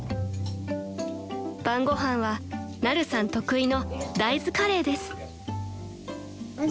［晩ご飯はナルさん得意の大豆カレーです］